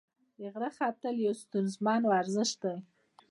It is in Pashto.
د غره ختل یو ستونزمن ورزش دی.